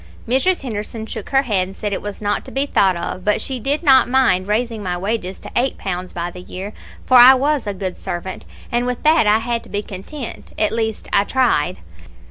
"Mrs. Henderson shook her head, and said it was not to be thought of, but she did not mind raising my wages to eight pounds by the year, for I was a good servant; and with that I had to be content at least, I tried.